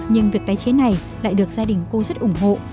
nhưng việc tái chế này lại được gia đình cô rất ủng hộ